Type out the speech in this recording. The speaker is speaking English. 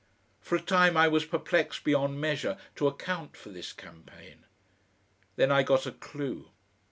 For a time I was perplexed beyond measure to account for this campaign. Then I got a clue.